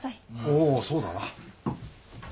おおそうだな。